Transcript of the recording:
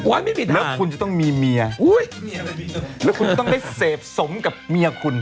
ว่าไม่มีปิดทางแล้วคุณจะต้องมีเมียแล้วคุณต้องได้เสพสมกับเมียคุณ